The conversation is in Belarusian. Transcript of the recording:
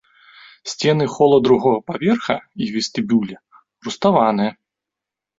Сцены хола другога паверха і вестыбюля руставаныя.